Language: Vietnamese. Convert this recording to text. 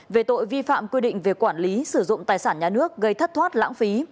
về tội vi phạm quy định về quản lý sử dụng tài sản nhà nước gây thất thoát lãng phí